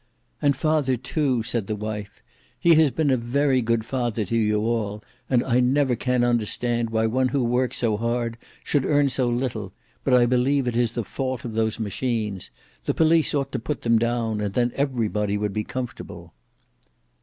"And father, too," said the wife. "He has been a very good father to you all; and I never can understand why one who works so hard should earn so little; but I believe it is the fault of those machines. The police ought to put them down, and then every body would be comfortable."